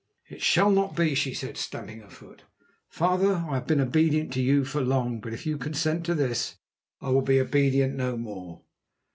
"It shall not be!" she said, stamping her foot. "Father, I have been obedient to you for long, but if you consent to this I will be obedient no more.